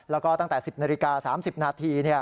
แล้วก็ตั้งแต่๑๐นาฬิกา๓๐นาที